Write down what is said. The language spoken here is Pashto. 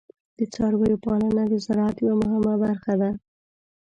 د څارویو پالنه د زراعت یوه مهمه برخه ده.